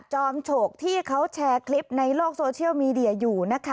จอมโฉกที่เขาแชร์คลิปในโลกโซเชียลมีเดียอยู่นะคะ